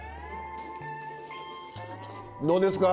どうですか？